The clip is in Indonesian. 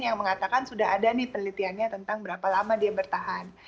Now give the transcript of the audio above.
yang mengatakan sudah ada nih penelitiannya tentang berapa lama dia bertahan